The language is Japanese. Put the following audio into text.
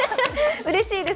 うれしいです。